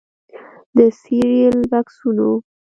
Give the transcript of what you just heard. د سیریل بکسونو